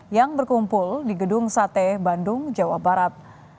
yang berkumpul di gedung sate bandung jawa barat